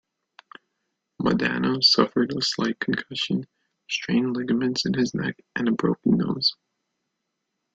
Modano suffered a slight concussion, strained ligaments in his neck, and a broken nose.